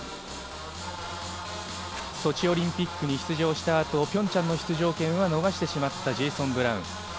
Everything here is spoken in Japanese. ソチオリンピックに出場した後、ピョンチャンの出場権は逃してしまったジェイソン・ブラウン。